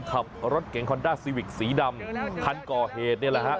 ขับรถเก่งคอนด้าซีวิกสีดำคันก่อเหตุนี่แหละฮะ